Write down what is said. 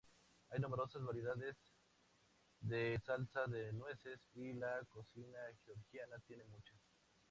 Hay numerosas variedades de salsa de nueces, y la cocina georgiana tiene muchas.